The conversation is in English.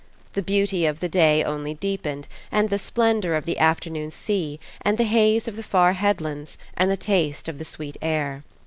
The beauty of the day only deepened, and the splendour of the afternoon sea, and the haze of the far headlands, and the taste of the sweet air.